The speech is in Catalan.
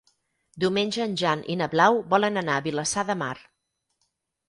Diumenge en Jan i na Blau volen anar a Vilassar de Mar.